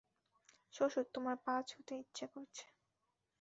শ্বশুর, তোমার পা ছুঁতে ইচ্ছে করছে।